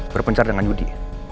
berpencar dengan judi